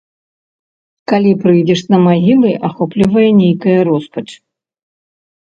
Калі прыйдзеш на магілы, ахоплівае нейкая роспач.